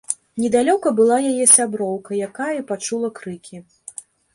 Недалёка была яе сяброўка, якая і пачула крыкі.